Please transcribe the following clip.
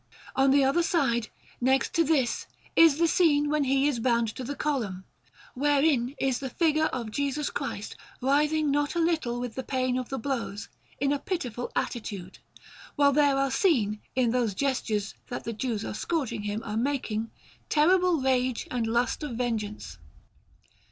On the other side, next to this, is the scene when He is bound to the Column, wherein is the figure of Jesus Christ writhing not a little with the pain of the blows, in a pitiful attitude, while there are seen, in those gestures that the Jews who are scourging Him are making, terrible rage and lust of vengeance.